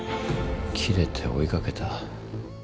キレて追いかけた。